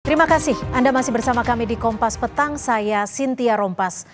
terima kasih anda masih bersama kami di kompas petang saya sintia rompas